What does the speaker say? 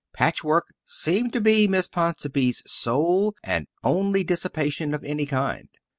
Patchwork seemed to be Miss Ponsonby's sole and only dissipation of any kind.